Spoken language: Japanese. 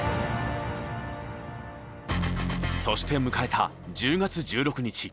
そして迎えた１０月１６日。